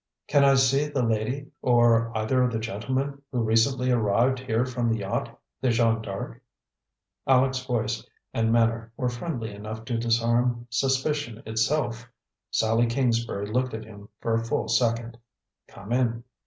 "Can I see the lady, or either of the gentlemen, who recently arrived here from the yacht, the Jeanne D'Arc?" Aleck's voice and manner were friendly enough to disarm suspicion itself; Sallie Kingsbury looked at him for a full second. "Come in."